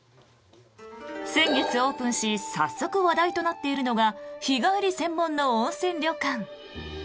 先月オープンし早速話題となっているのが日帰り専門の温泉旅館。